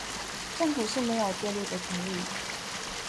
政府是沒有介入的權利